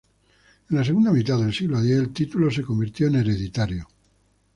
En la segunda mitad del siglo X el título se convirtió en hereditario.